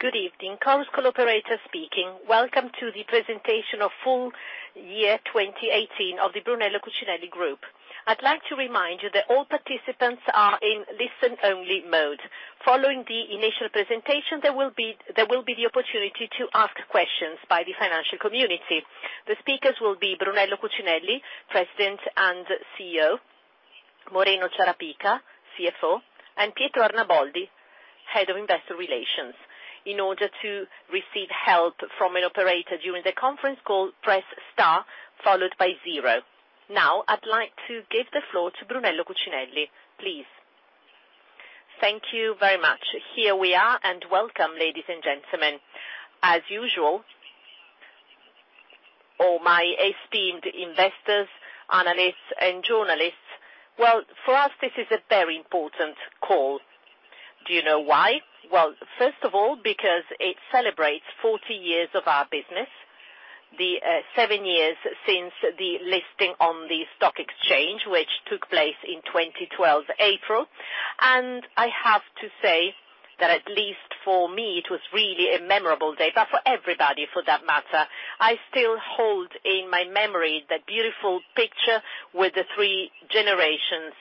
Good evening, Chorus Call operator speaking. Welcome to the presentation of full year 2018 of the Brunello Cucinelli Group. I'd like to remind you that all participants are in listen-only mode. Following the initial presentation, there will be the opportunity to ask questions by the financial community. The speakers will be Brunello Cucinelli, President and CEO, Moreno Ciarapica, CFO, and Pietro Arnaboldi, Head of Investor Relations. In order to receive help from an operator during the conference call, press star followed by zero. I'd like to give the floor to Brunello Cucinelli, please. Thank you very much. Here we are, welcome, ladies and gentlemen. As usual, all my esteemed investors, analysts, and journalists, for us, this is a very important call. Do you know why? First of all, because it celebrates 40 years of our business, the seven years since the listing on the stock exchange, which took place in 2012, April. I have to say that at least for me, it was really a memorable day, for everybody, for that matter. I still hold in my memory the beautiful picture with the three generations,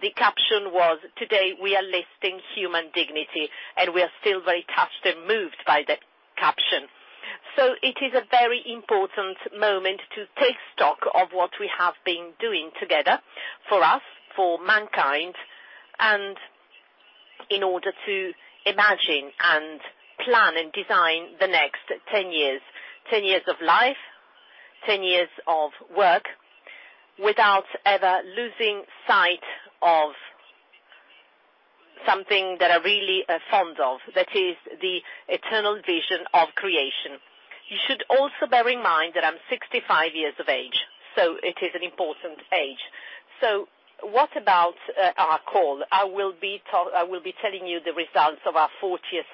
the caption was, "Today we are listing human dignity," we are still very touched and moved by the caption. It is a very important moment to take stock of what we have been doing together for us, for mankind, in order to imagine and plan and design the next 10 years. 10 years of life, 10 years of work, without ever losing sight of something that I really am fond of, that is the eternal vision of creation. You should also bear in mind that I'm 65 years of age, it is an important age. What about our call? I will be telling you the results of our 40th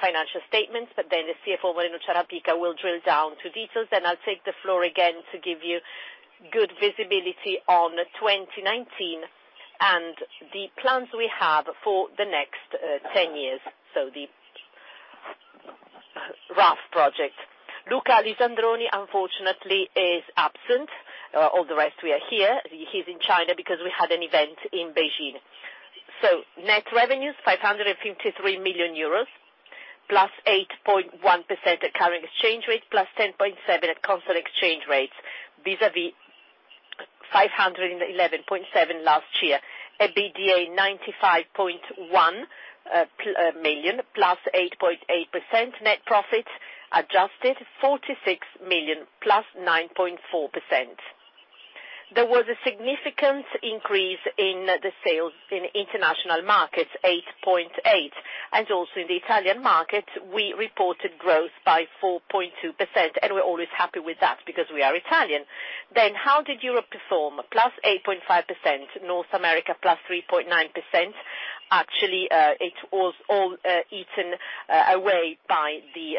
financial statements, then the CFO, Moreno Ciarapica, will drill down to details, I'll take the floor again to give you good visibility on 2019 and the plans we have for the next 10 years, the rough project. Luca Lisandroni, unfortunately, is absent. All the rest, we are here. He's in China because we had an event in Beijing. Net revenues, 553 million euros, +8.1% at current exchange rate, +10.7% at constant exchange rates, vis-a-vis 511.7 last year. EBITDA, 95.1 million, +8.8%. Net profit adjusted, 46 million, +9.4%. There was a significant increase in the sales in international markets, 8.8%, also in the Italian market we reported growth by 4.2%, we're always happy with that because we are Italian. How did Europe perform? +8.5%, North America +3.9%. Actually, it was all eaten away by the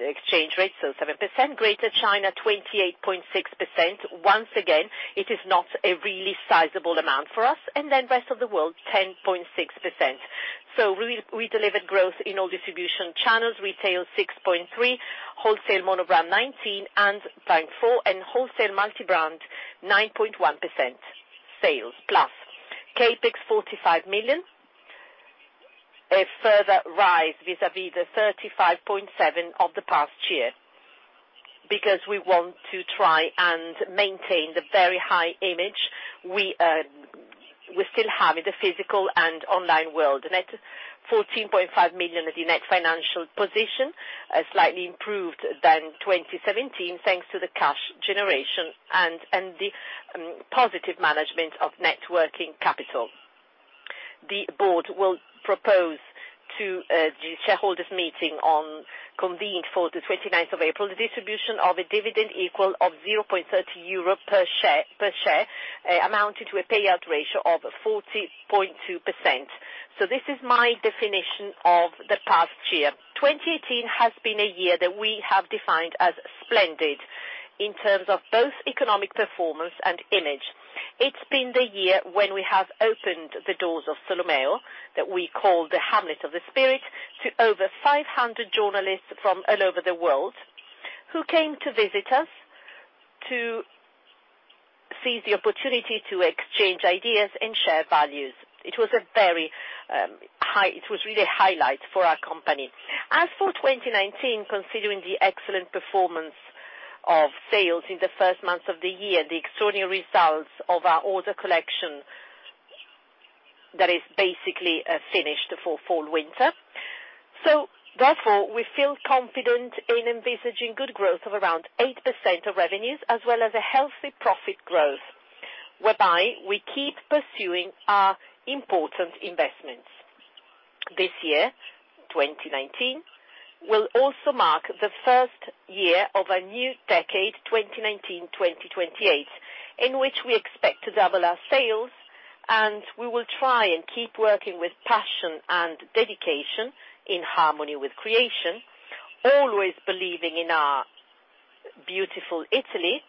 exchange rate, 7%. Greater China, 28.6%. Once again, it is not a really sizable amount for us. Rest of the world, 10.6%. We delivered growth in all distribution channels. Retail, 6.3%. Wholesale monobrand, 19% and 24%. Wholesale multi-brand, 9.1% sales plus. CapEx, 45 million. A further rise vis-a-vis 35.7 million of the past year. Because we want to try and maintain the very high image we still have in the physical and online world. million of the Net Financial Position, slightly improved than 2017, thanks to the cash generation and the positive management of net working capital. The board will propose to the shareholders meeting convened for the 29th of April, the distribution of a dividend equal of 0.30 euro per share, amounting to a payout ratio of 40.2%. This is my definition of the past year. 2018 has been a year that we have defined as splendid in terms of both economic performance and image. It's been the year when we have opened the doors of Solomeo, that we call the Hamlet of the Spirit, to over 500 journalists from all over the world, who came to visit us to seize the opportunity to exchange ideas and share values. It was really a highlight for our company. As for 2019, considering the excellent performance of sales in the first months of the year, the extraordinary results of our order collection, that is basically finished for fall/winter. Therefore, we feel confident in envisaging good growth of around 8% of revenues, as well as a healthy profit growth, whereby we keep pursuing our important investments. This year, 2019, will also mark the first year of a new decade, 2019-2028, in which we expect to double our sales, and we will try and keep working with passion and dedication in harmony with creation, always believing in our Beautiful Italy,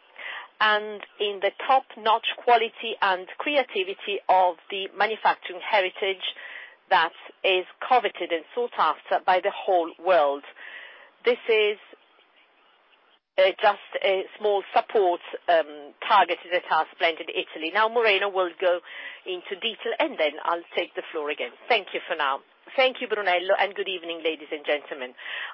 and in the top-notch quality and creativity of the manufacturing heritage that is coveted and sought after by the whole world. This is just a small support targeted at our splendid Italy. Now Moreno will go into detail, and then I'll take the floor again. Thank you for now. Thank you, Brunello, and good evening, ladies and gentlemen.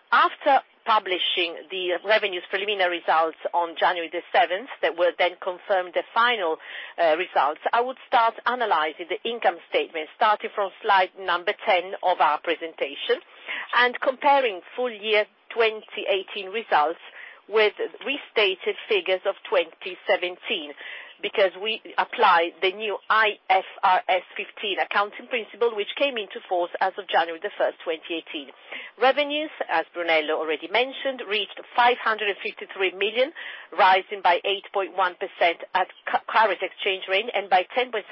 After publishing the revenues preliminary results on January the 7th, that will then confirm the final results, I would start analyzing the income statement, starting from slide number 10 of our presentation, and comparing full year 2018 results with restated figures of 2017, because we apply the new IFRS 15 accounting principle, which came into force as of January the 1st, 2018. Revenues, as Brunello already mentioned, reached 553 million, rising by 8.1% at current exchange rate and by 10.7%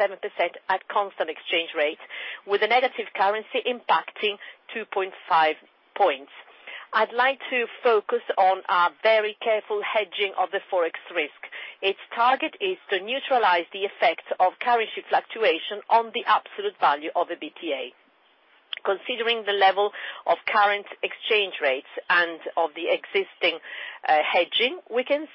at constant exchange rate, with a negative currency impacting 2.5 points. I'd like to focus on our very careful hedging of the Forex risk. Its target is to neutralize the effect of currency fluctuation on the absolute value of EBITDA. Considering the level of current exchange rates and of the existing hedging, we can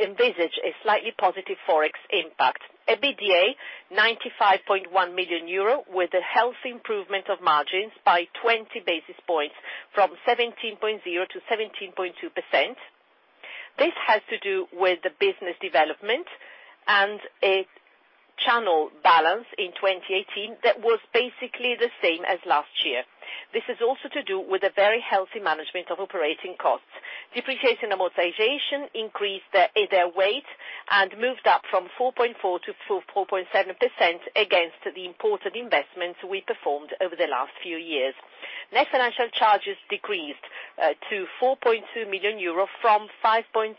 envisage a slightly positive Forex impact. EBITDA, 95.1 million euro, with a healthy improvement of margins by 20 basis points from 17.0%-17.2%. This has to do with the business development and a channel balance in 2018 that was basically the same as last year. This is also to do with a very healthy management of operating costs. Depreciation amortization increased their weight and moved up from 4.4%-4.7% against the important investments we performed over the last few years. Net financial charges decreased to 4.2 million euro from 5.3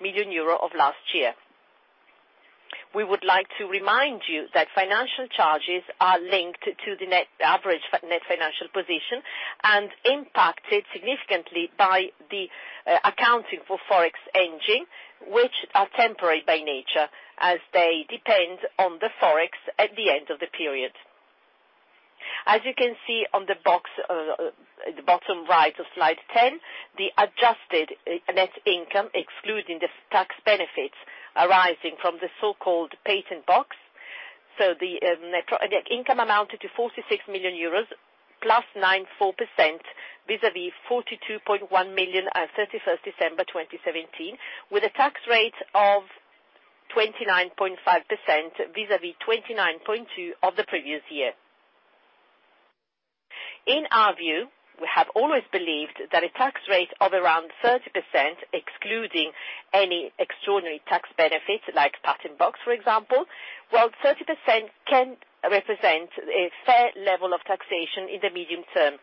million euro of last year. We would like to remind you that financial charges are linked to the net average Net Financial Position and impacted significantly by the accounting for Forex hedging, which are temporary by nature as they depend on the Forex at the end of the period. As you can see on the bottom right of slide 10, the adjusted net income, excluding the tax benefits arising from the so-called patent box. The net income amounted to 46 million euros, +9.4% vis-à-vis 42.1 million at 31st December 2017, with a tax rate of 29.5% vis-à-vis 29.2% of the previous year. In our view, we have always believed that a tax rate of around 30%, excluding any extraordinary tax benefits like patent box, for example, while 30% can represent a fair level of taxation in the medium term,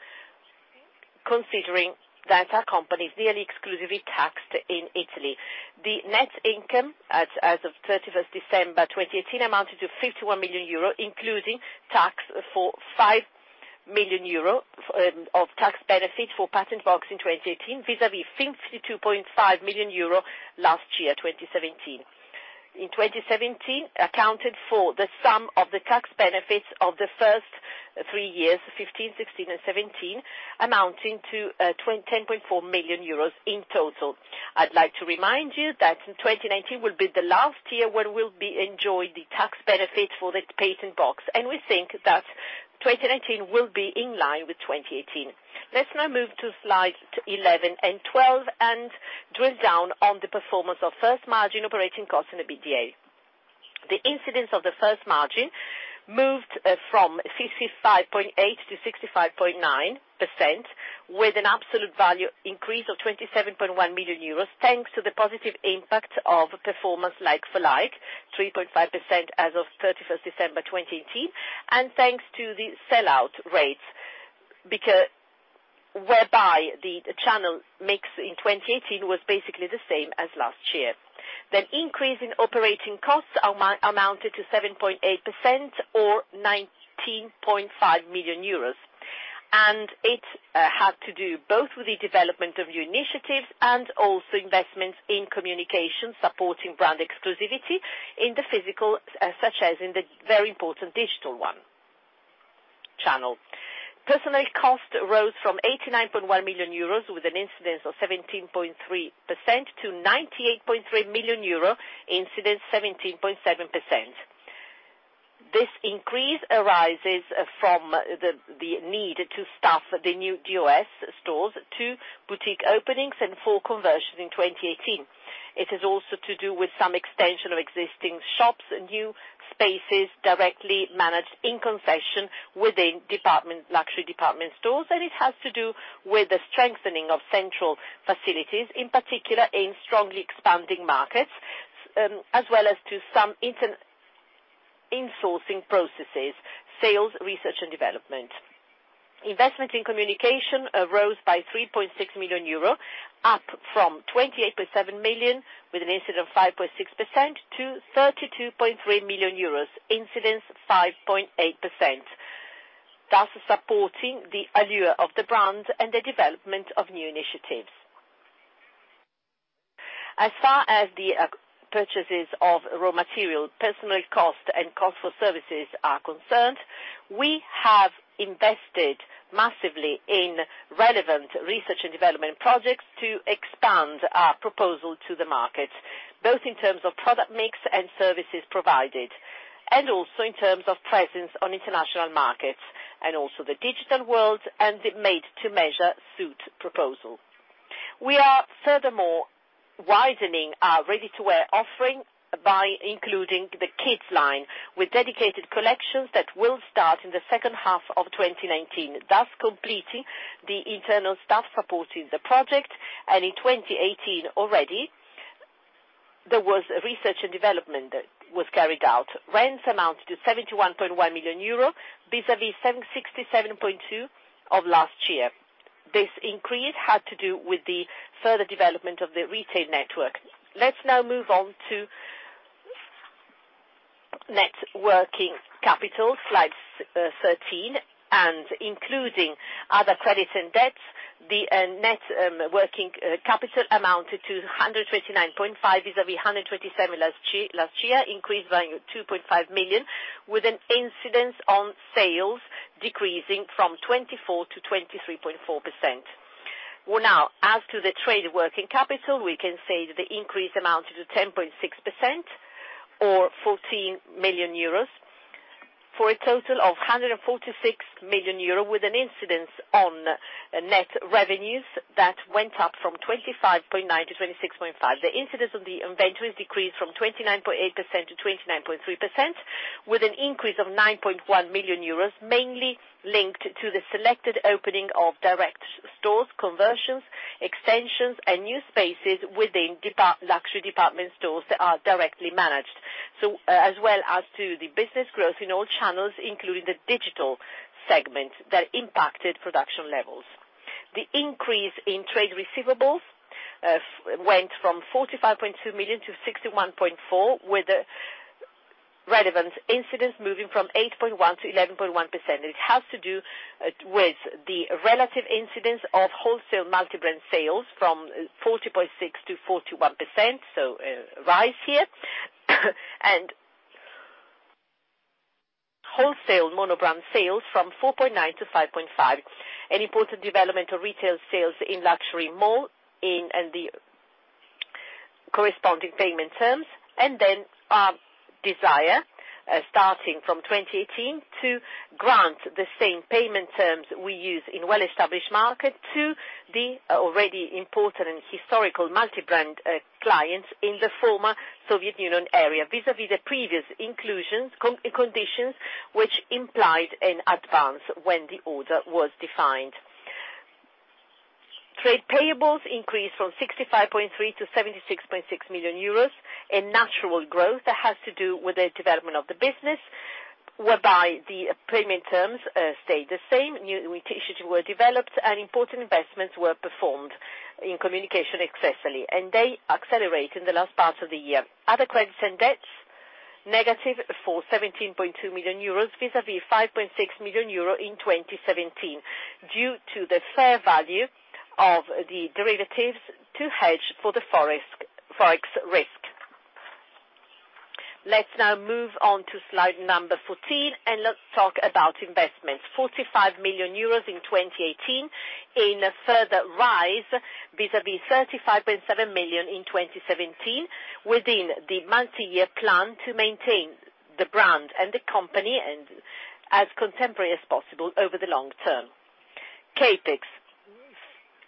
considering that our company is nearly exclusively taxed in Italy. The net income as of 31st December 2018 amounted to 51 million euro, including tax for 5 million euro of tax benefit for patent box in 2018, vis-à-vis 52.5 million euro last year, 2017. In 2017, accounted for the sum of the tax benefits of the first three years, 2015, 2016, and 2017, amounting to 10.4 million euros in total. I'd like to remind you that 2019 will be the last year where we'll be enjoying the tax benefit for the patent box, and we think that 2019 will be in line with 2018. Let's now move to slides 11 and 12 and drill down on the performance of first margin operating costs in the EBITDA. The incidence of the first margin moved from 65.8% to 65.9%, with an absolute value increase of 27.1 million euros, thanks to the positive impact of performance like-for-like, 3.5% as of 31st December 2018, and thanks to the sellout rates, whereby the channel mix in 2018 was basically the same as last year. The increase in operating costs amounted to 7.8% or 19.5 million euros. It had to do both with the development of new initiatives and also investments in communication supporting brand exclusivity in the physical, such as in the very important digital channel. Personnel cost rose from 89.1 million euros, with an incidence of 17.3%, to 98.3 million euro, incidence 17.7%. This increase arises from the need to staff the new DOS stores, two boutique openings, and four conversions in 2018. It is also to do with some extension of existing shops, new spaces directly managed in concession within luxury department stores, and it has to do with the strengthening of central facilities, in particular in strongly expanding markets, as well as to some insourcing processes, sales, research, and development. Investment in communication rose by 3.6 million euro, up from 28.7 million, with an incidence of 5.6%, to 32.3 million euros, incidence 5.8%. Thus supporting the allure of the brand and the development of new initiatives. As far as the purchases of raw material, personnel cost, and cost for services are concerned, we have invested massively in relevant research and development projects to expand our proposal to the market, both in terms of product mix and services provided, and also in terms of presence on international markets, and also the digital world and the made-to-measure suit proposal. We are furthermore widening our ready-to-wear offering by including the kids line with dedicated collections that will start in the second half of 2019, thus completing the internal staff supporting the project, and in 2018 already, there was research and development that was carried out. Rents amounted to 71.1 million euro vis-à-vis 67.2 million of last year. This increase had to do with the further development of the retail network. Let's now move on to net working capital, slide 13. Including other credits and debts, the net working capital amounted to 129.5 vis-a-vis 127 last year, increased by 2.5 million, with an incidence on sales decreasing from 24%-23.4%. As to the trade working capital, we can say the increase amounted to 10.6% or 14 million euros for a total of 146 million euro with an incidence on net revenues that went up from 25.9%-26.5%. The incidence on the inventories decreased from 29.8% to 29.3% with an increase of 9.1 million euros, mainly linked to the selected opening of direct stores, conversions, extensions, and new spaces within luxury department stores that are directly managed. As well as to the business growth in all channels, including the digital segment that impacted production levels. The increase in trade receivables went from 45.2 million to 61.4 million with relevant incidence moving from 8.1%-11.1%. It has to do with the relative incidence of wholesale multi-brand sales from 40.6%-41%, so a rise here. Wholesale mono-brand sales from 4.9%-5.5%. An important development of retail sales in luxury mall and the corresponding payment terms, our desire, starting from 2018, to grant the same payment terms we use in well-established market to the already important and historical multi-brand clients in the former Soviet Union area, vis-a-vis the previous inclusions, conditions which implied an advance when the order was defined. Trade payables increased from 65.3 million to 76.6 million euros, a natural growth that has to do with the development of the business, whereby the payment terms stayed the same, new initiatives were developed, important investments were performed in communication excessively. They accelerate in the last part of the year. Other credits and debts, negative for 17.2 million euros vis-a-vis 5.6 million euros in 2017 due to the fair value of the derivatives to hedge for the Forex risk. Let's now move on to slide 14. Let's talk about investments. 45 million euros in 2018, in a further rise vis-a-vis 35.7 million in 2017 within the multi-year plan to maintain the brand and the company as contemporary as possible over the long term. CapEx.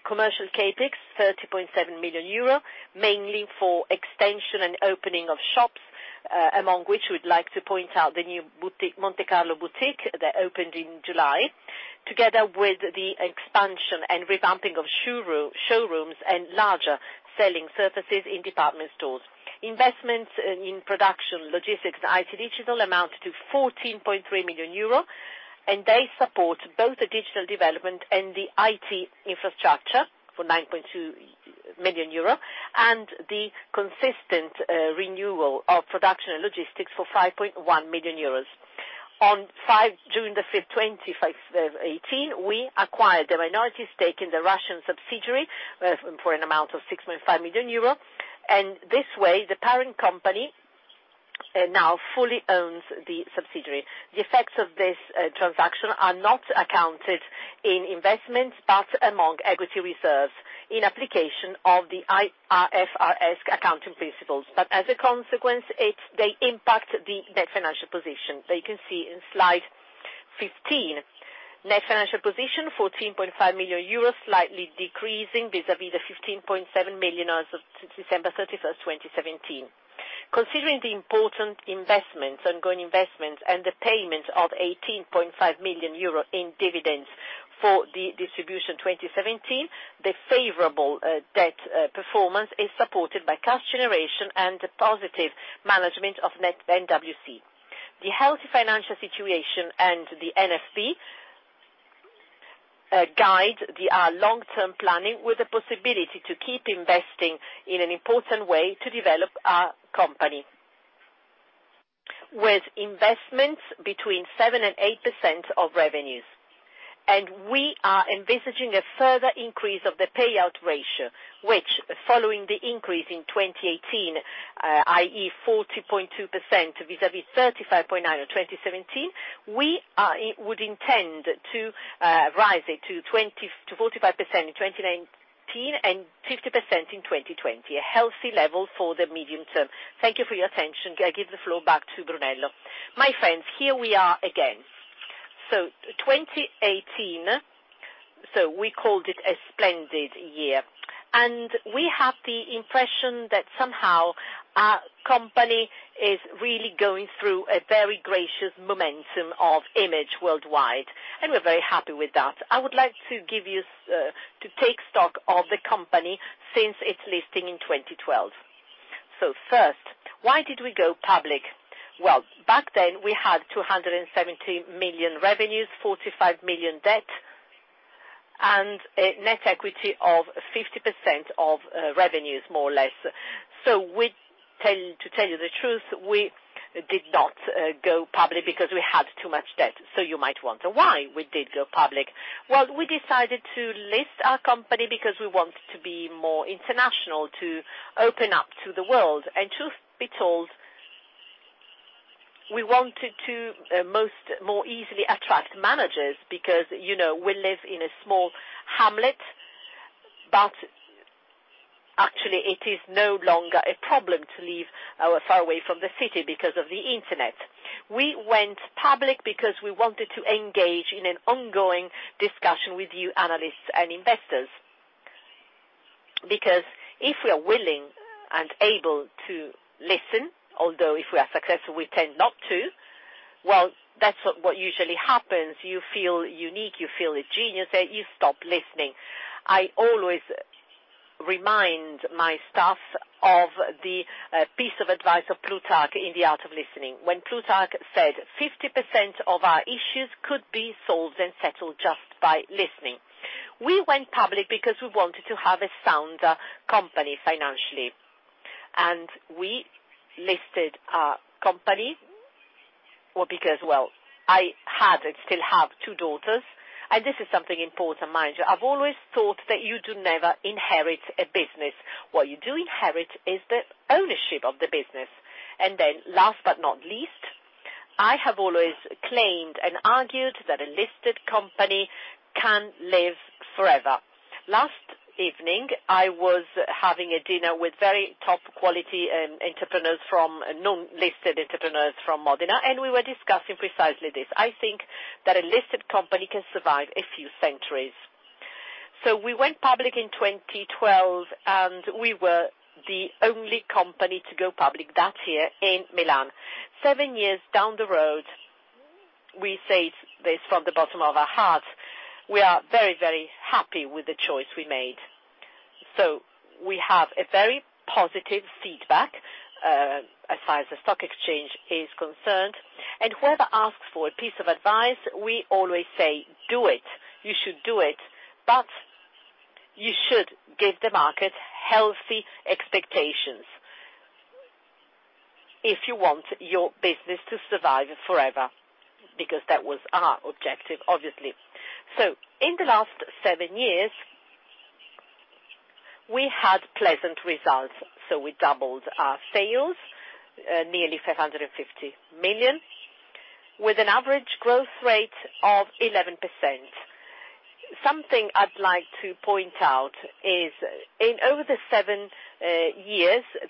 Commercial CapEx, 30.7 million euro, mainly for extension and opening of shops, among which we'd like to point out the new Monte Carlo boutique that opened in July, together with the expansion and revamping of showrooms and larger selling surfaces in department stores. Investments in production, logistics, and IT digital amounted to 14.3 million euro. They support both the digital development and the IT infrastructure for 9.2 million euro, the consistent renewal of production and logistics for 5.1 million euros. On June 5th, 2018, we acquired a minority stake in the Russian subsidiary for an amount of 6.5 million euro. This way, the parent company now fully owns the subsidiary. The effects of this transaction are not accounted in investments, but among equity reserves in application of the IFRS accounting principles. As a consequence, they impact the Net Financial Position that you can see in slide 15. Net Financial Position, 14.5 million euros, slightly decreasing vis-a-vis the 15.7 million as of December 31st, 2017. Considering the important ongoing investments and the payment of 18.5 million euro in dividends for the distribution 2017, the favorable debt performance is supported by cash generation and the positive management of net NWC. The healthy financial situation and the NFP guide our long-term planning with the possibility to keep investing in an important way to develop our company. With investments between 7% and 8% of revenues. We are envisaging a further increase of the payout ratio, which, following the increase in 2018, i.e., 40.2% vis-a-vis 35.9% in 2017, we would intend to rise it to 45% in 2019, and 50% in 2020, a healthy level for the medium term. Thank you for your attention. I give the floor back to Brunello. My friends, here we are again. 2018, we called it a splendid year, we have the impression that somehow our company is really going through a very gracious momentum of image worldwide, and we're very happy with that. I would like to take stock of the company since its listing in 2012. First, why did we go public? Back then we had 270 million revenues, 45 million debt, and a net equity of 50% of revenues, more or less. To tell you the truth, we did not go public because we had too much debt. You might wonder why we did go public. We decided to list our company because we wanted to be more international, to open up to the world. Truth be told, we wanted to more easily attract managers because we live in a small hamlet. Actually it is no longer a problem to live far away from the city because of the Internet. We went public because we wanted to engage in an ongoing discussion with you analysts and investors. If we are willing and able to listen, although if we are successful, we tend not to, that's what usually happens, you feel unique, you feel a genius, and you stop listening. I always remind my staff of the piece of advice of Plutarch in "The Art of Listening," when Plutarch said 50% of our issues could be solved and settled just by listening. We went public because we wanted to have a sound company financially. We listed our company because, I had and still have two daughters. This is something important, mind you. I've always thought that you do never inherit a business. What you do inherit is the ownership of the business. Last but not least, I have always claimed and argued that a listed company can live forever. Last evening, I was having a dinner with very top quality entrepreneurs from non-listed entrepreneurs from Modena, we were discussing precisely this. I think that a listed company can survive a few centuries. We went public in 2012, we were the only company to go public that year in Milan. seven years down the road, we say this from the bottom of our hearts, we are very, very happy with the choice we made. We have a very positive feedback, as far as the stock exchange is concerned. Whoever asks for a piece of advice, we always say, "Do it. You should do it." You should give the market healthy expectations if you want your business to survive forever, because that was our objective, obviously. In the last seven years, we had pleasant results. We doubled our sales, nearly 550 million, with an average growth rate of 11%. Something I'd like to point out is in over the seven years,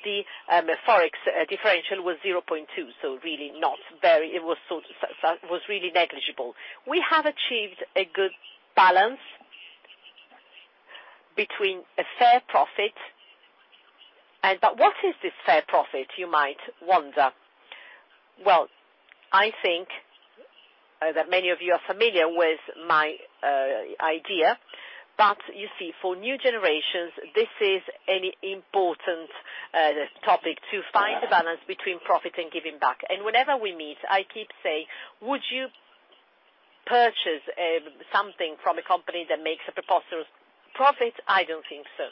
the Forex differential was 0.2, so it was really negligible. We have achieved a good balance between a fair profit and What is this fair profit, you might wonder? Well, I think that many of you are familiar with my idea. You see, for new generations, this is an important topic to find the balance between profit and giving back. Whenever we meet, I keep saying, "Would you purchase something from a company that makes a preposterous profit?" I don't think so.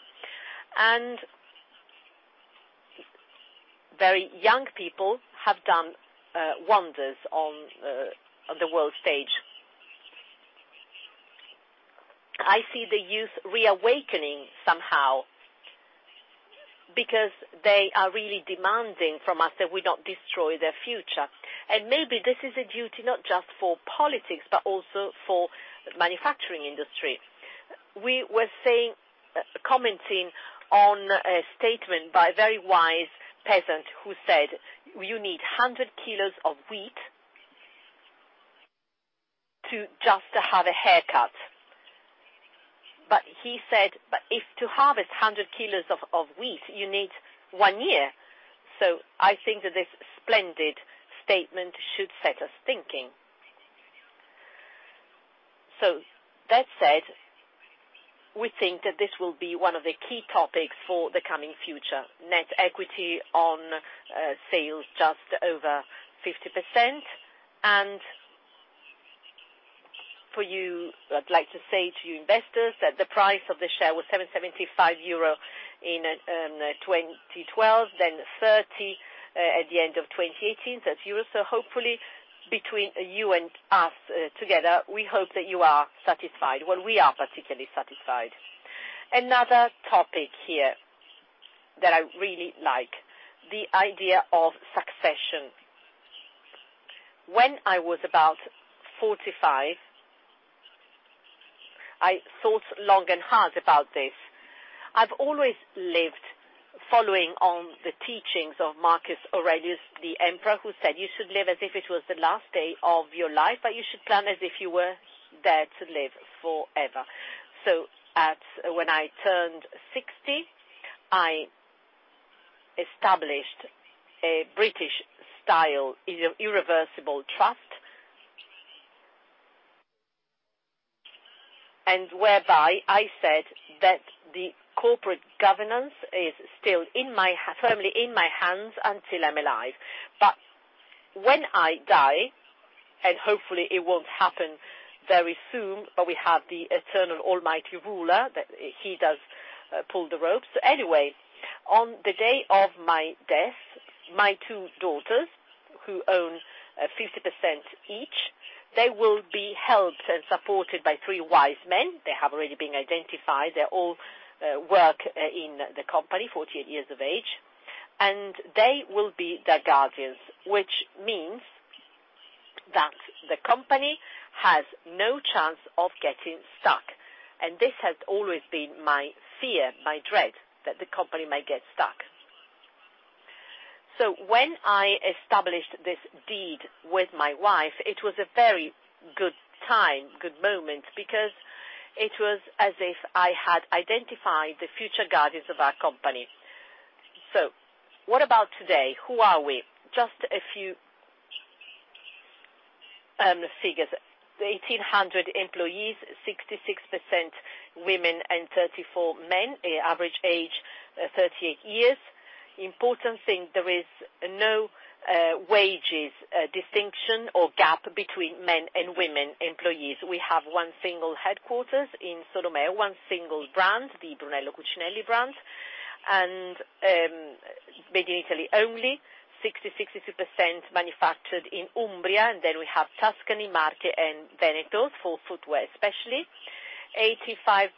Very young people have done wonders on the world stage. I see the youth reawakening somehow because they are really demanding from us that we not destroy their future. Maybe this is a duty not just for politics, but also for manufacturing industry. We were commenting on a statement by a very wise peasant who said, "You need 100 kilos of wheat to just have a haircut." He said, "If to harvest 100 kilos of wheat, you need one year." I think that this splendid statement should set us thinking. That said. We think that this will be one of the key topics for the coming future. Net equity on sales, just over 50%. I'd like to say to you investors that the price of the share was 7.75 euro in 2012, then 30 at the end of 2018. Hopefully between you and us together, we hope that you are satisfied. Well, we are particularly satisfied. Another topic here that I really like, the idea of succession. When I was about 45, I thought long and hard about this. I've always lived following on the teachings of Marcus Aurelius, the emperor, who said, "You should live as if it was the last day of your life, but you should plan as if you were there to live forever." When I turned 60, I established a British style irreversible trust, whereby I said that the corporate governance is still firmly in my hands until I'm alive. When I die, and hopefully it won't happen very soon, we have the eternal almighty ruler that he does pull the ropes. Anyway, on the day of my death, my two daughters, who own 50% each, they will be helped and supported by three wise men. They have already been identified. They all work in the company, 48 years of age, and they will be their guardians, which means that the company has no chance of getting stuck. This has always been my fear, my dread, that the company may get stuck. When I established this deed with my wife, it was a very good time, good moment, because it was as if I had identified the future guardians of our company. What about today? Who are we? Just a few figures. 1,800 employees, 66% women and 34 men. The average age, 38 years. Important thing, there is no wage distinction or gap between men and women employees. We have one single headquarters in Solomeo, one single brand, the Brunello Cucinelli brand, and made in Italy only. 60%-62% manufactured in Umbria. We have Tuscany, Marche, and Veneto for footwear especially. 85%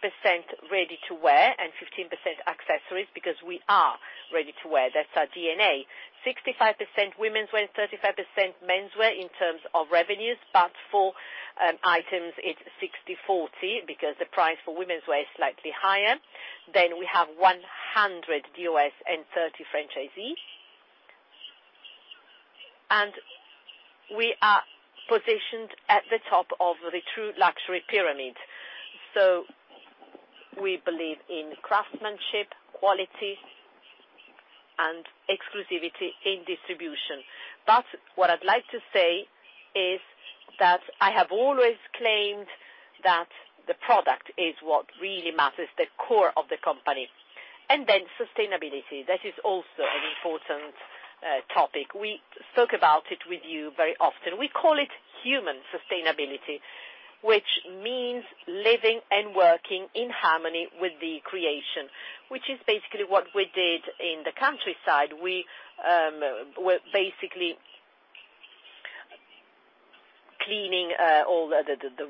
ready-to-wear and 15% accessories because we are ready-to-wear. That's our DNA. 65% womenswear, 35% menswear in terms of revenues. For items, it's 60/40 because the price for womenswear is slightly higher. We have 100 DOS and 30 franchisees. We are positioned at the top of the true luxury pyramid. We believe in craftsmanship, quality, and exclusivity in distribution. What I'd like to say is that I have always claimed that the product is what really matters, the core of the company. Sustainability, that is also an important topic. We spoke about it with you very often. We call it human sustainability, which means living and working in harmony with the creation, which is basically what we did in the countryside. We were basically cleaning all the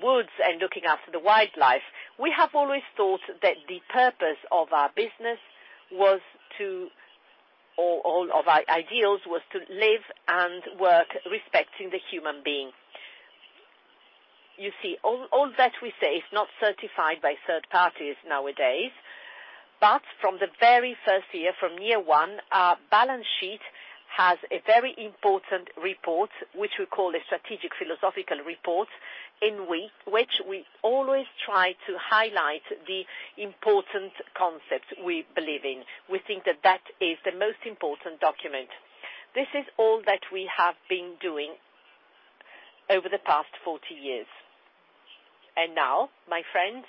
woods and looking after the wildlife. We have always thought that the purpose of our business, or all of our ideals, was to live and work respecting the human being. You see, all that we say is not certified by third parties nowadays. From the very first year, from year one, our balance sheet has a very important report, which we call a strategic philosophical report, in which we always try to highlight the important concepts we believe in. We think that that is the most important document. This is all that we have been doing over the past 40 years. My friends,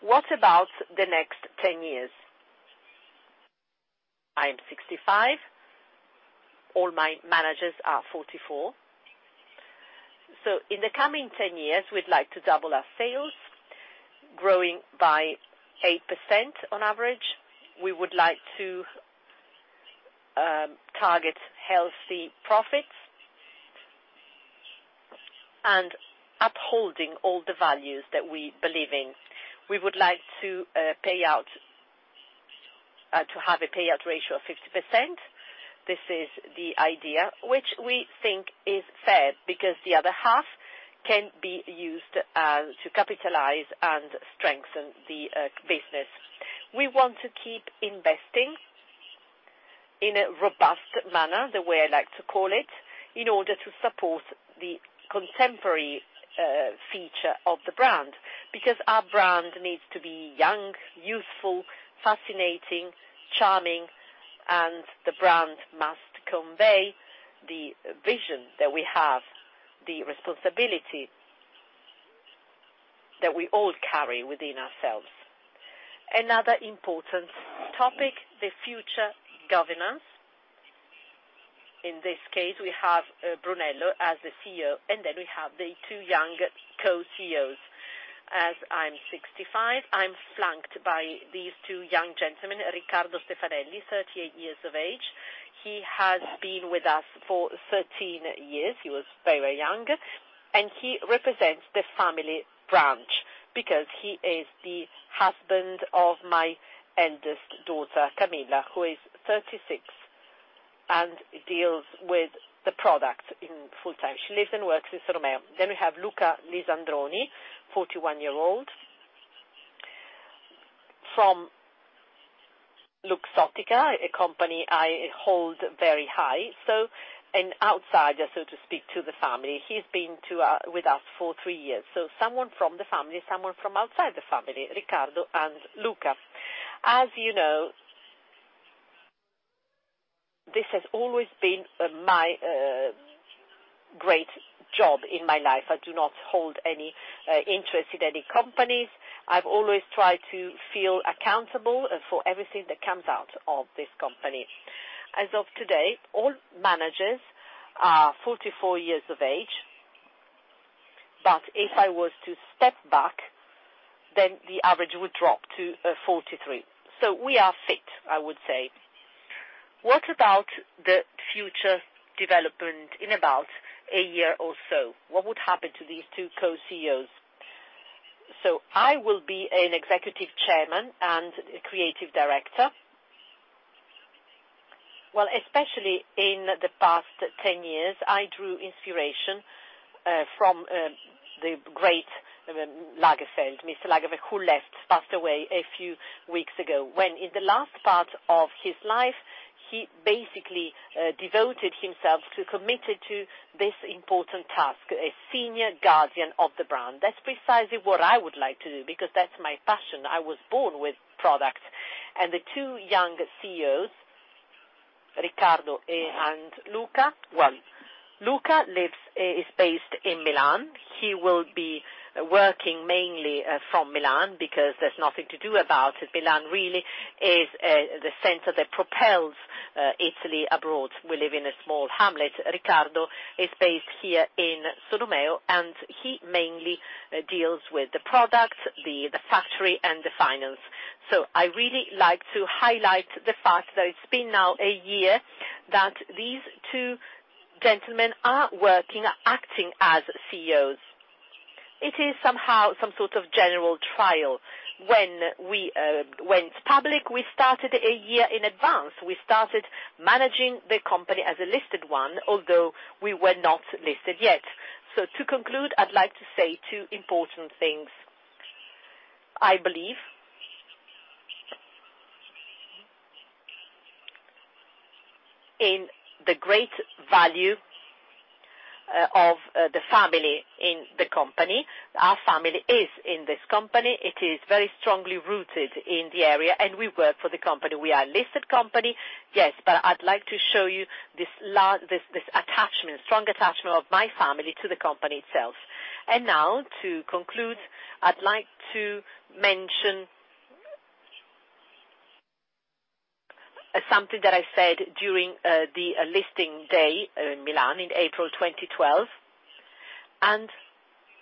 what about the next 10 years? I am 65. All my managers are 44. In the coming 10 years, we'd like to double our sales, growing by 8% on average. We would like to target healthy profits and upholding all the values that we believe in. We would like to have a payout ratio of 50%. This is the idea which we think is fair because the other half can be used to capitalize and strengthen the business. We want to keep investing in a robust manner, the way I like to call it, in order to support the contemporary feature of the brand, because our brand needs to be young, youthful, fascinating, charming. The brand must convey the vision that we have, the responsibility that we all carry within ourselves. Another important topic, the future governance. In this case, we have Brunello as the CEO, we have the two young co-CEOs. As I'm 65, I'm flanked by these two young gentlemen, Riccardo Stefanelli, 38 years of age. He has been with us for 13 years. He was very young, and he represents the family branch because he is the husband of my eldest daughter, Camilla, who is 36 and deals with the product full-time. She lives and works in Solomeo. We have Luca Lisandroni, 41 years old, from Luxottica, a company I hold very high. An outsider, so to speak, to the family. He's been with us for three years. Someone from the family, someone from outside the family, Riccardo and Luca. As you know, this has always been my great job in my life. I do not hold any interest in any companies. I've always tried to feel accountable for everything that comes out of this company. As of today, all managers are 44 years of age, but if I was to step back, then the average would drop to 43. We are fit, I would say. What about the future development in about a year or so? What would happen to these two Co-CEOs? I will be an Executive Chairman and Creative Director. Especially in the past 10 years, I drew inspiration from the great Lagerfeld, Mr. Lagerfeld, who passed away a few weeks ago. When in the last part of his life, he basically devoted himself, committed to this important task, a senior guardian of the brand. That's precisely what I would like to do because that's my passion. I was born with product. The two young CEOs, Riccardo and Luca. Luca is based in Milan. He will be working mainly from Milan because there's nothing to do about it. Milan really is the center that propels Italy abroad. We live in a small hamlet. Riccardo is based here in Solomeo, and he mainly deals with the product, the factory, and the finance. I really like to highlight the fact that it's been now a year that these two gentlemen are working, are acting as CEOs. It is somehow some sort of general trial. When we went public, we started a year in advance. We started managing the company as a listed one, although we were not listed yet. To conclude, I'd like to say two important things. I believe in the great value of the family in the company. Our family is in this company. It is very strongly rooted in the area, and we work for the company. We are a listed company, yes, I'd like to show you this attachment, strong attachment of my family to the company itself. Now, to conclude, I'd like to mention something that I said during the listing day in Milan in April 2012, and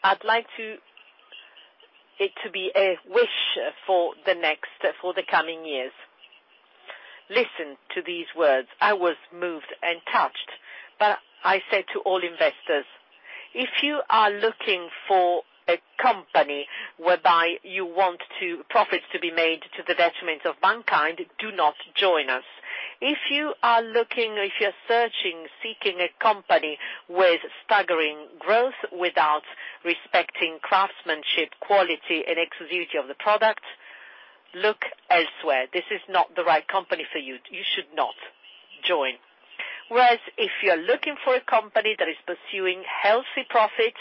I'd like it to be a wish for the coming years. Listen to these words. I was moved and touched, I said to all investors, "If you are looking for a company whereby you want profits to be made to the detriment of mankind, do not join us. If you are looking, if you are searching, seeking a company with staggering growth without respecting craftsmanship, quality, and exclusivity of the product, look elsewhere. This is not the right company for you. You should not join. If you're looking for a company that is pursuing healthy profit,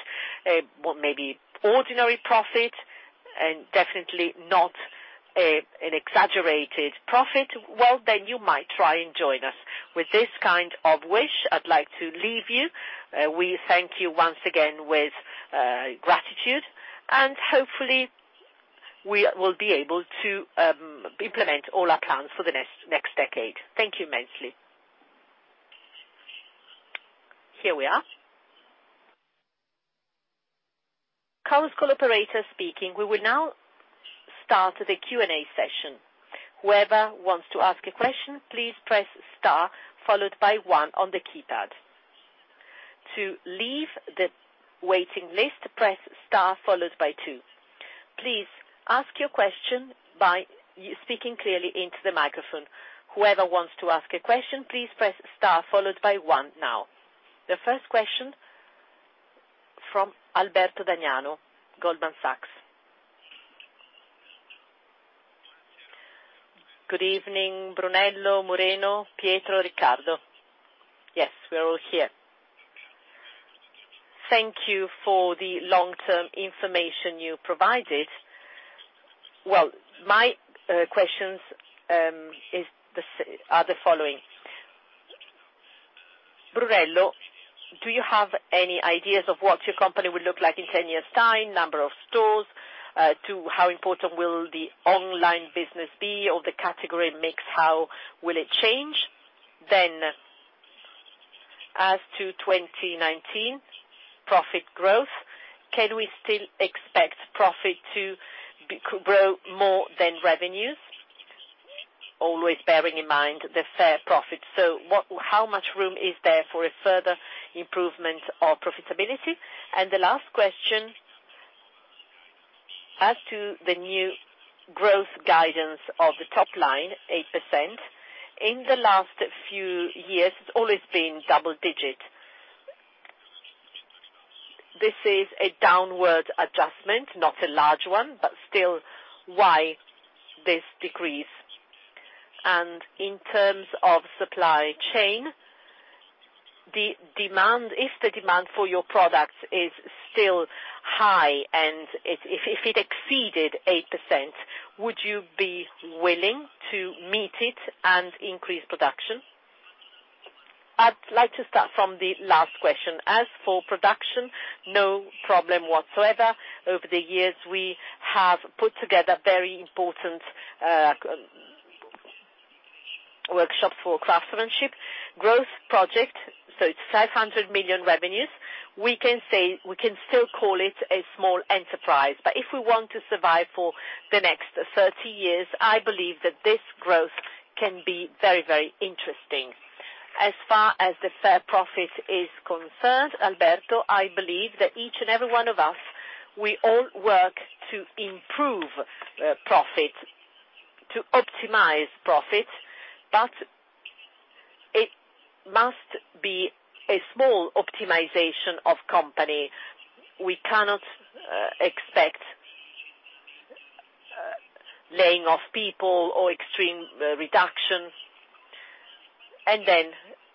maybe ordinary profit, and definitely not an exaggerated profit, then you might try and join us." With this kind of wish, I'd like to leave you. We thank you once again with gratitude, and hopefully, we will be able to implement all our plans for the next decade. Thank you immensely. Here we are. Chorus Call operator speaking. We will now start the Q&A session. Whoever wants to ask a question, please press star followed by one on the keypad. To leave the waiting list, press star followed by two. Please ask your question by speaking clearly into the microphone. Whoever wants to ask a question, please press star followed by one now. The first question from Alberto D'Agnano, Goldman Sachs. Good evening, Brunello, Moreno, Pietro, Riccardo. Yes, we're all here. Thank you for the long-term information you provided. My questions are the following: Brunello, do you have any ideas of what your company will look like in 10 years' time, number of stores, to how important will the online business be or the category mix, how will it change? As to 2019 profit growth, can we still expect profit to grow more than revenues? Always bearing in mind the fair profit. How much room is there for a further improvement of profitability? The last question, as to the new growth guidance of the top line, 8%, in the last few years, it's always been double-digit. This is a downward adjustment, not a large one, but still, why this decrease? In terms of supply chain, if the demand for your product is still high, and if it exceeded 8%, would you be willing to meet it and increase production? I'd like to start from the last question. As for production, no problem whatsoever. Over the years, we have put together very important workshop for craftsmanship. Growth project, it's 500 million revenues. We can still call it a small enterprise, but if we want to survive for the next 30 years, I believe that this growth can be very interesting. As far as the fair profit is concerned, Alberto, I believe that each and every one of us, we all work to improve profit, to optimize profit, but it must be a small optimization of company. We cannot expect laying off people or extreme reduction.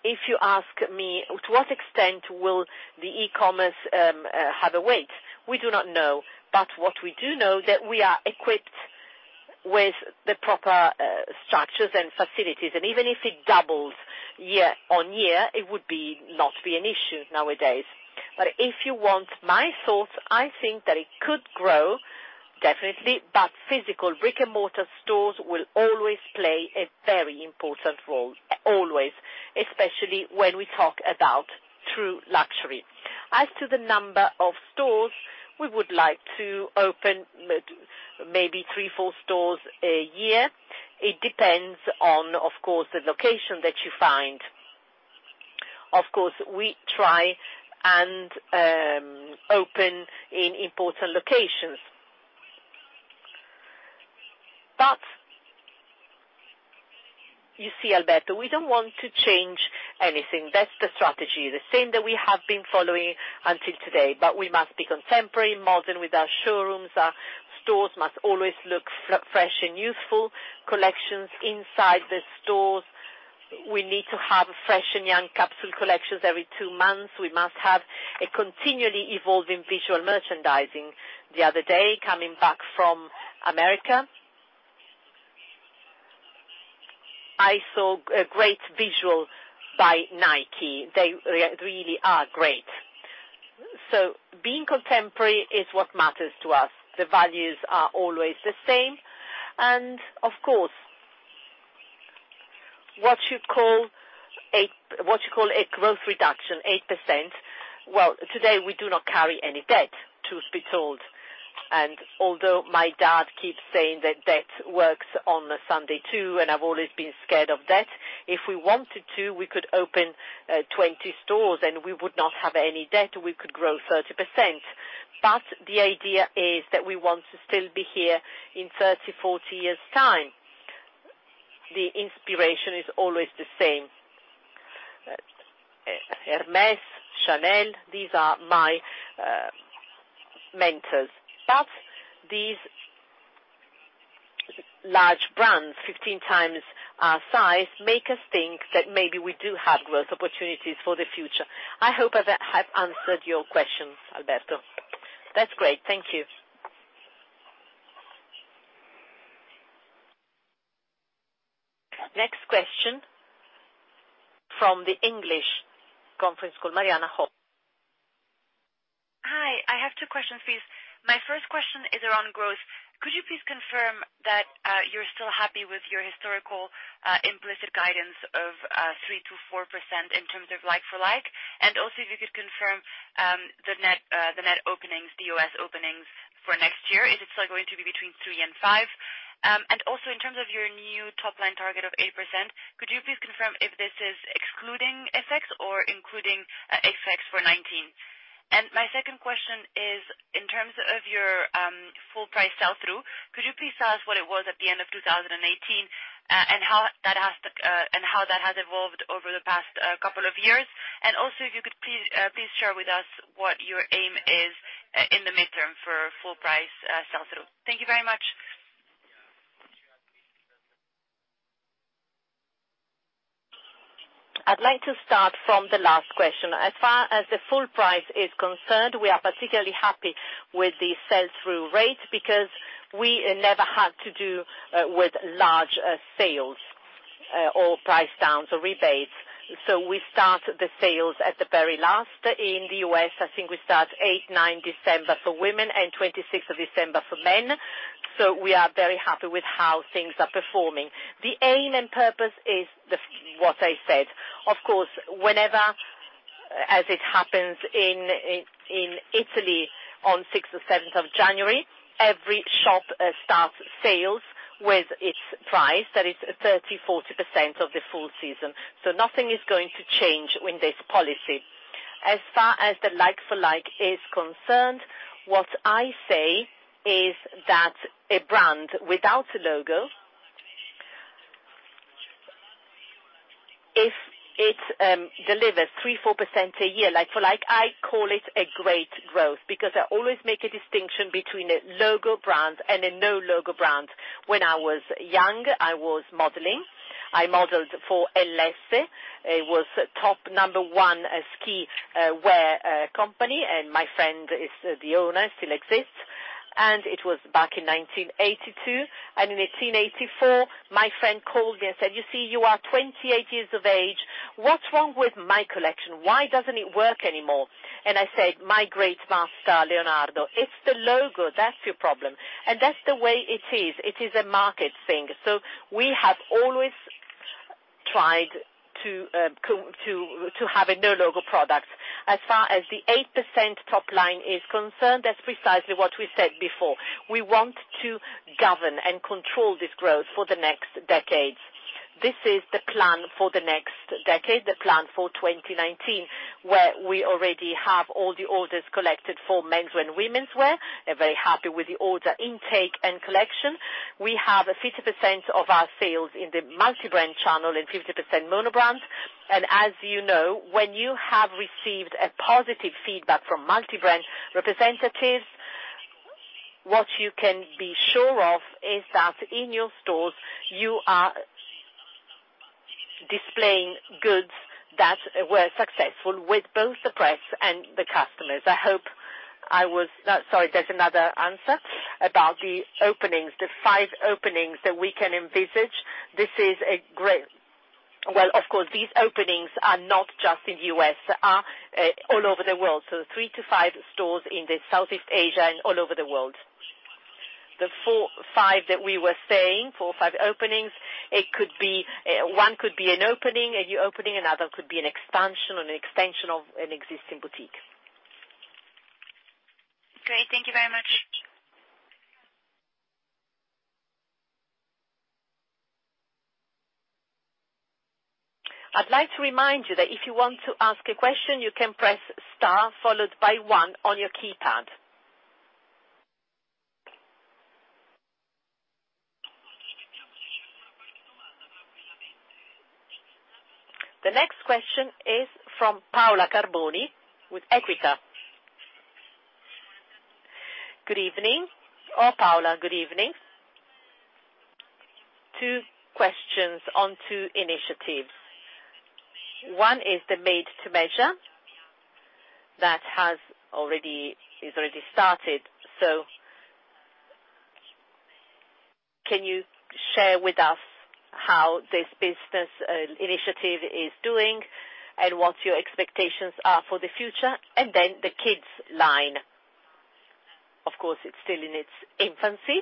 If you ask me, to what extent will the e-commerce have a weight? We do not know, but what we do know that we are equipped with the proper structures and facilities, and even if it doubles year-on-year, it would not be an issue nowadays. If you want my thoughts, I think that it could grow, definitely, but physical brick-and-mortar stores will always play a very important role, always, especially when we talk about true luxury. As to the number of stores, we would like to open maybe three, four stores a year. It depends on, of course, the location that you find. Of course, we try and open in important locations. You see, Alberto, we don't want to change anything. That's the strategy, the same that we have been following until today, but we must be contemporary, modern with our showrooms. Our stores must always look fresh and youthful, collections inside the stores. We need to have fresh and young capsule collections every two months. We must have a continually evolving visual merchandising. The other day, coming back from America, I saw a great visual by Nike. They really are great. Being contemporary is what matters to us. The values are always the same, and of course, what you call a growth reduction, 8%. Today, we do not carry any debt, truth be told. Although my dad keeps saying that debt works on a Sunday too, and I've always been scared of debt. If we wanted to, we could open 20 stores, and we would not have any debt, we could grow 30%. The idea is that we want to still be here in 30, 40 years' time. The inspiration is always the same. Hermès, Chanel, these are my mentors. These large brands, 15x our size, make us think that maybe we do have growth opportunities for the future. I hope I have answered your questions, Alberto. That's great. Thank you. Next question from the English conference call, Mariana Ho. Hi. I have two questions, please. My first question is around growth. Could you please confirm that you're still happy with your historical implicit guidance of 3%-4% in terms of like-for-like? Also, if you could confirm the net openings, DOS openings for next year. Is it still going to be between three and five? Also, in terms of your new top line target of 8%, could you please confirm if this is excluding FX or including FX for 2019? My second question is, in terms of your full price sell-through, could you please tell us what it was at the end of 2018, and how that has evolved over the past couple of years? Also, if you could please share with us what your aim is in the midterm for full price sell-through. Thank you very much. I'd like to start from the last question. As far as the full price is concerned, we are particularly happy with the sell-through rate because we never had to do with large sales or price downs or rebates. We start the sales at the very last. In the U.S., I think we start eighth, ninth December for women and 26th of December for men. We are very happy with how things are performing. The aim and purpose is what I said. Of course, whenever, as it happens in Italy on sixth or seventh of January, every shop starts sales with its price, that is 30%-40% of the full season. Nothing is going to change in this policy. As far as the like-for-like is concerned, what I say is that a brand without a logo, if it delivers 3%-4% a year like-for-like, I call it a great growth, because I always make a distinction between a logo brand and a no-logo brand. When I was young, I was modeling. I modeled for ellesse. It was top number one ski wear company, and my friend is the owner. It still exists. It was back in 1982. In 1884, my friend called me and said, "You see, you are 28 years of age. What's wrong with my collection? Why doesn't it work anymore?" I said, "My great master, Leonardo, it's the logo, that's your problem." That's the way it is. It is a market thing. We have always tried to have a no-logo product. As far as the 8% top line is concerned, that's precisely what we said before. We want to govern and control this growth for the next decades. This is the plan for the next decade, the plan for 2019, where we already have all the orders collected for menswear and womenswear. We're very happy with the order intake and collection. We have 50% of our sales in the multi-brand channel and 50% mono brand. As you know, when you have received a positive feedback from multi-brand representatives, what you can be sure of is that in your stores, you are displaying goods that were successful with both the press and the customers. Sorry, there's another answer about the openings, the five openings that we can envisage. Of course, these openings are not just in U.S. They are all over the world. Three to five stores in the Southeast Asia and all over the world. The four, five that we were saying, four or five openings, one could be an opening, a new opening, another could be an expansion or an extension of an existing boutique. Great. Thank you very much. I'd like to remind you that if you want to ask a question, you can press star followed by one on your keypad. The next question is from Paola Carboni with EQUITA. Good evening. Oh, Paola, good evening. Two questions on two initiatives. One is the made-to-measure that has already started. Can you share with us how this business initiative is doing, and what your expectations are for the future? Then the kids line. Of course, it's still in its infancy,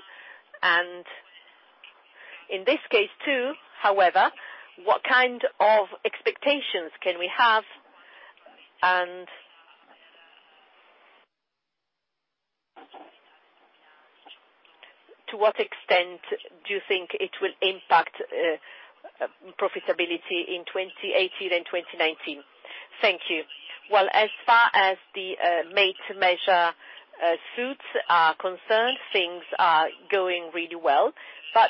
and in this case too, however, what kind of expectations can we have, and to what extent do you think it will impact profitability in 2018 and 2019? Thank you. As far as the made-to-measure suits are concerned, things are going really well.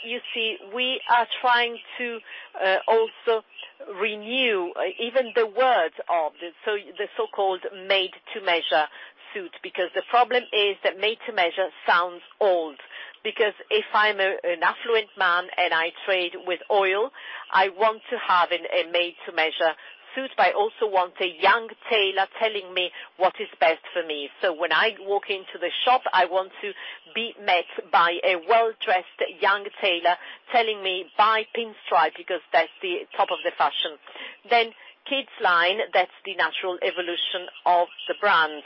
You see, we are trying to also renew even the words of the so-called made-to-measure suit, because the problem is that made-to-measure sounds old. If I'm an affluent man and I trade with oil, I want to have a made-to-measure suit, but I also want a young tailor telling me what is best for me. When I walk into the shop, I want to be met by a well-dressed young tailor telling me, "Buy pinstripe, because that's the top of the fashion." Kids line, that's the natural evolution of the brand.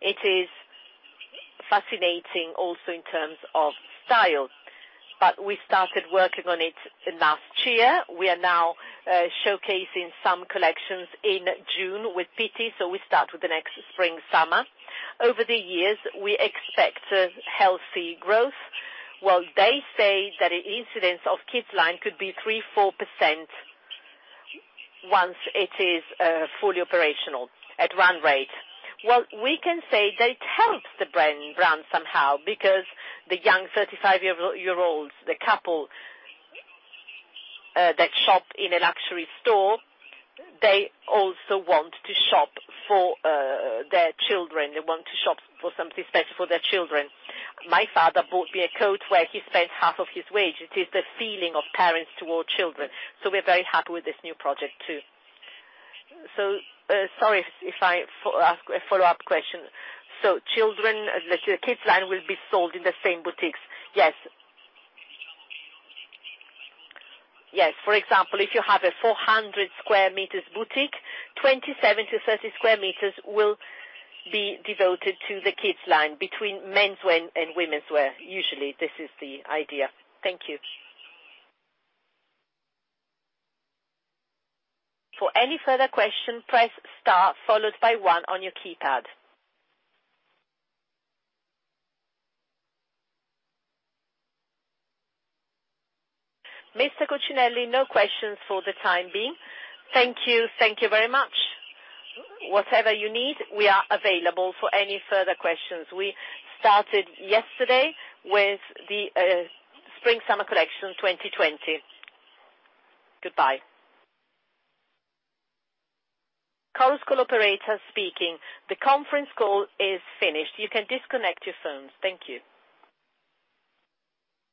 It is fascinating also in terms of style. We started working on it last year. We are now showcasing some collections in June with Pitti, we start with the next spring/summer. Over the years, we expect a healthy growth. They say that the incidence of kids line could be 3%, 4% once it is fully operational at run rate. We can say that it helps the brand somehow, because the young 35-year-olds, the couple that shop in a luxury store, they also want to shop for their children. They want to shop for something special for their children. My father bought me a coat where he spent half of his wage. It is the feeling of parents toward children. We're very happy with this new project, too. Sorry, a follow-up question. The kids line will be sold in the same boutiques? Yes. For example, if you have a 400 square meters boutique, 27 to 30 square meters will be devoted to the kids line between menswear and womenswear. Usually, this is the idea. Thank you. For any further question, press star followed by one on your keypad. Mr. Cucinelli, no questions for the time being. Thank you. Thank you very much. Whatever you need, we are available for any further questions. We started yesterday with the spring/summer collection 2020. Goodbye. Chorus Call operator speaking. The conference call is finished. You can disconnect your phones. Thank you.